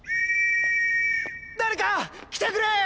誰か来てくれ！